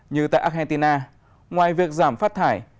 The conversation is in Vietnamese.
như tại argentina ngoài việc giảm phát thải